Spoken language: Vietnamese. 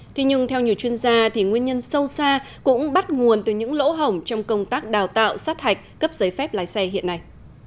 thế nhưng theo nhiều chuyên gia thì nguyên nhân sâu xa cũng bắt nguồn từ những lỗ hỏng trong công tác đào tạo sát hạch cấp giấy phép lái xe hiện nay